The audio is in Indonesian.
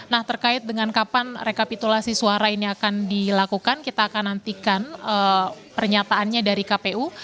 nah terkait dengan kapan rekapitulasi suara ini akan dilakukan kita akan nantikan pernyataannya dari kpu